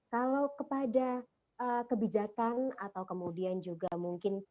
kalau kepada kebijakan atau kemudian juga mungkin